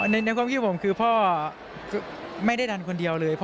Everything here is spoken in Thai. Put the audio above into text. ในความคิดผมคือพ่อไม่ได้ดันคนเดียวเลย